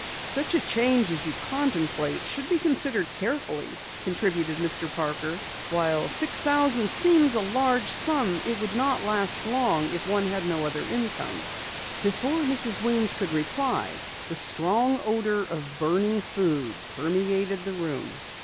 "Such a change as you contemplate should be considered carefully," contributed Mr. Parker. "While six thousand seems a large sum it would not last long if one had no other income." Before Mrs. Weems could reply, a strong odor of burning food permeated the room.